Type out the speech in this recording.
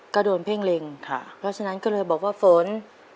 ก็โดนเพ่งเล็งเพราะฉะนั้นก็เลยบอกว่าฝน